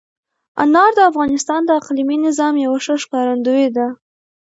انار د افغانستان د اقلیمي نظام یوه ښه ښکارندوی ده.